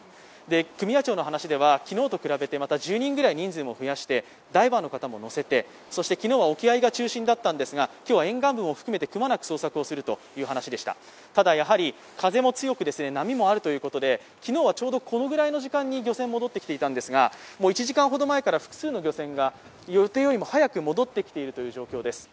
組合長の話では昨日と比べて１０人ぐらい増やしてダイバーの人も乗せてそして昨日は沖合が中心だったんですが、今日は沿岸部も含めて、くまなく捜索するということですが、ただ、風が強く波もあり、昨日はちょうどこのぐらいの時間に漁船が戻ってきたんですが、１時間半ほど前に複数の漁船が予定よりも早く戻ってきている状況です